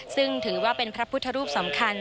ซึ่งถือว่าเป็นพระพุทธรูปสำคัญ